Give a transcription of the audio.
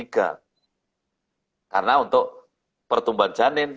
karena untuk pertumbuhan janin